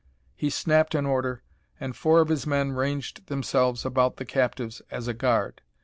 He snapped an order, and four of his men ranged themselves about the captives as a guard.